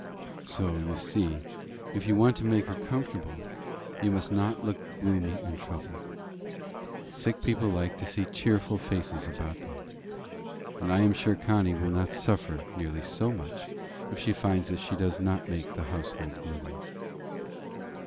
So, you see, if you want to make her comfortable, you must not look gloomy and troubled. Sick people like to see cheerful faces about them; and I am sure Connie will not suffer nearly so much if she finds that she does not make the household gloomy."